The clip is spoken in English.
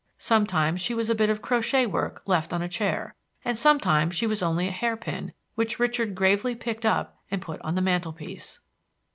Sometimes she was a bit of crochet work left on a chair, and sometimes she was only a hair pin, which Richard gravely picked up and put on the mantel piece.